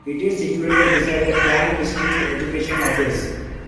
It is situated beside the Klang District Education Office.